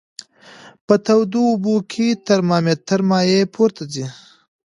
په تودو اوبو کې د ترمامتر مایع پورته ځي.